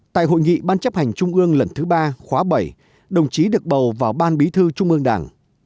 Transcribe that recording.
tại hội nghị ban chấp hành trung ương lần thứ ba khóa bảy đồng chí được bầu vào ban bí thư trung ương đảng